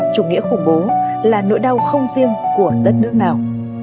chủ nghĩa khủng bố là nỗi đau không riêng của đất nước nào